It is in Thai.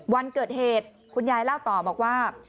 วันเกิดเหตุคุณยายเล่าต่อบอกว่า